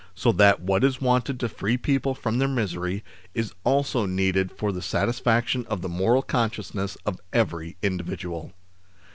So that what is wanted to free people from their misery is also needed for the satisfaction of the moral consciousness of every individual.